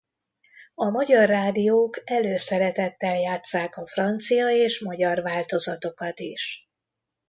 A magyar rádiók előszeretettel játsszák a francia és magyar változatokat is.